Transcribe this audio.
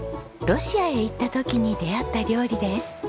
ロシアへ行った時に出会った料理です。